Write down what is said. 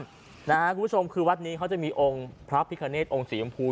คุณผู้ชมคือวัดนี้เขาจะมีองค์พระพิคเนตองค์สีชมพู